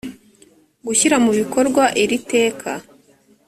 gushyira mu bikorwa iri teka